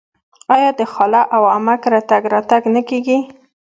آیا د خاله او عمه کره تګ راتګ نه کیږي؟